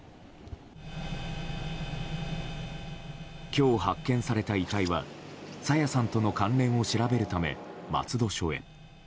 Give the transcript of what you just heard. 今日発見された遺体は朝芽さんとの関連を調べるため松戸署へ。